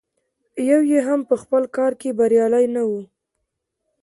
یو یې هم په خپل کار کې بریالی نه و.